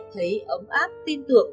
thấy ấm áp tin tưởng